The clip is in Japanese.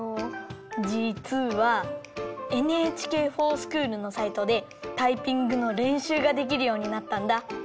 じつはＮＨＫｆｏｒＳｃｈｏｏｌのサイトでタイピングのれんしゅうができるようになったんだ。